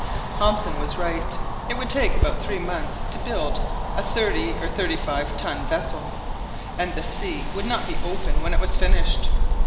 Hobson was right. It would take about three months to build a thirty or thirty five ton vessel, and the sea would not be open when it was finished.